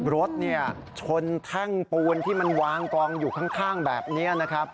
รถชนแท่งปูนที่มันวางกองอยู่ข้างแบบนี้นะครับ